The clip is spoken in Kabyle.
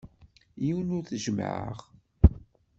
Yiwen ur t-jemmɛeɣ.